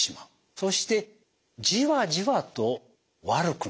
そしてじわじわと悪くなってる。